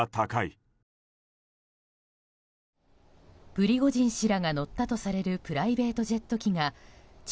プリゴジン氏らが乗ったとされるプライベートジェット機が地